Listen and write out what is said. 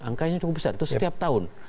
angkanya cukup besar itu setiap tahun